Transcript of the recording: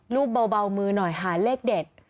เบามือหน่อยหาเลขเด็ด